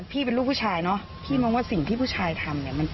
พี่เป็นลูกผู้ชายเนาะ